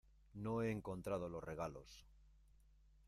no he encontrado los regalos.